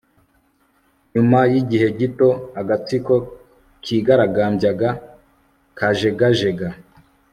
nyuma yigihe gito, agatsiko kigaragambyaga kajegajega